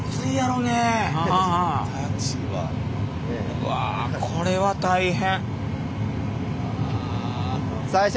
うわこれは大変。